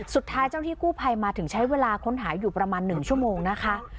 เจ้าที่กู้ภัยมาถึงใช้เวลาค้นหาอยู่ประมาณ๑ชั่วโมงนะคะ